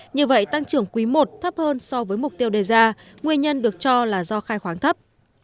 như vậy tăng trưởng quý i thấp hơn so với mục tiêu đề ra nguyên nhân được cho là do khai khoáng thấp